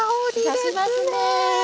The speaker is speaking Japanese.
しますね！